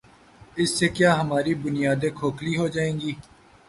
اس سے کیا ہماری بنیادیں کھوکھلی ہو جائیں گی؟